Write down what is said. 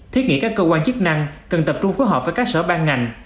thiết nghĩ các cơ quan chức năng cần tập trung phối hợp với các sở ban ngành